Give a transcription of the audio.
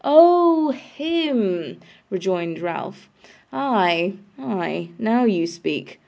'Oh HIM!' rejoined Ralph. 'Ay, ay. Now you speak.